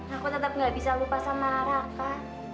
aku tetap gak bisa lupa sama raka